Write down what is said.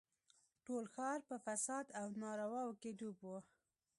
ټول ښار په فساد او نارواوو کښې ډوب و.